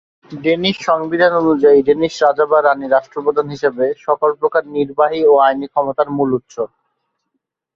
Danish সংবিধান অনুযায়ী Danish রাজা বা রানী, রাষ্ট্রপ্রধান হিসেবে, সকল প্রকার নির্বাহী ও আইনি ক্ষমতার মূল উৎস।